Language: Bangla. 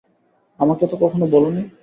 আমাকে তো কখনো বলনি।